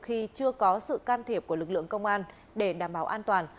khi chưa có sự can thiệp của lực lượng công an để đảm bảo an toàn